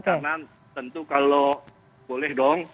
karena tentu kalau boleh dong